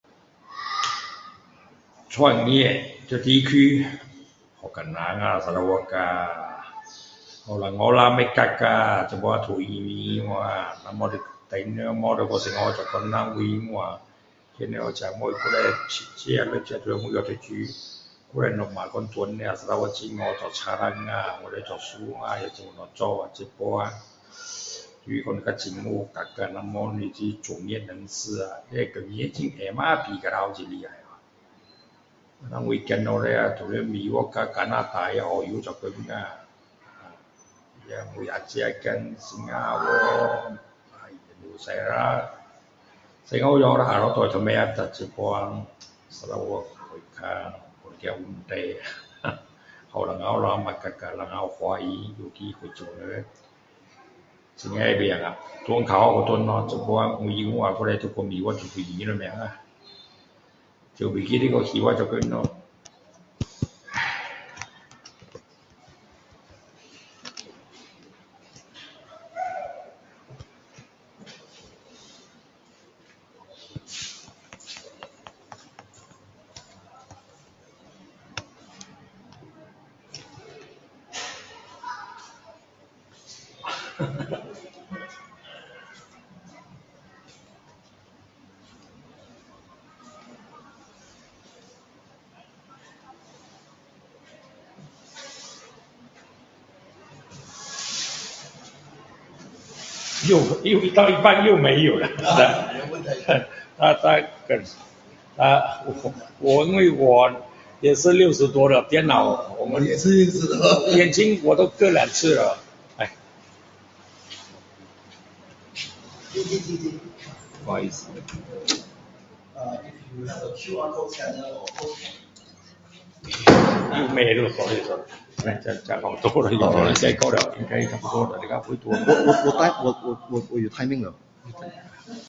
创业，这个区，很艰难啊在砂劳越呀。年轻人不留啊！现在都移民了啊。不然就去新加坡做工咯这样。我这样，以前六个，七个都在外面读书。以前父亲说回来啊，砂劳越很好，做木山，我们做船啊，那很有东西做啊。现在，就说被政府割掉，不然这个专业专业人士啊。就是工钱很矮嘛. 也跌很厉害。像我的孩子那样都在在美国，加拿大，澳州，做工啊。我阿姐的儿子，在新加坡啊，纽西兰。那时做不下， [unintelligible] 但现在砂劳越我看有些问题啊。年轻人，留不住啊。我们华人有机会做人，很会拼啊，较好有回咯。以前还能去美国跳飞机什么的，跳飞机就是非法做工咯。 又，又到一半又没有了， 我，因为我也是六十多了，电脑。。。眼睛我都割两次了。 不好意思。 [unintelligible] [unintelligible] [unintelligible] 我。我。我 [unintelligible] 有timing喔